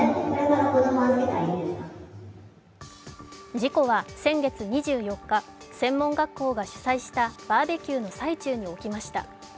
事故は先月２４日、専門学校が主催したバーベキューの最中に起きました。